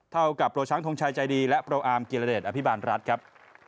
เท่ากับโปรช้างทงชัยใจดีและโปรอาร์มกิรเดชอภิบาลรัฐครับ